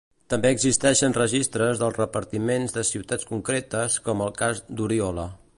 També existeixen registres dels repartiments de ciutats concretes, com el cas d’Oriola.